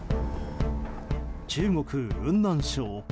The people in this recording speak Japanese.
中国・雲南省。